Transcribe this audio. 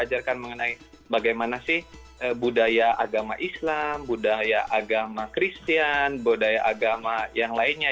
diajarkan mengenai bagaimana sih budaya agama islam budaya agama kristian budaya agama yang lainnya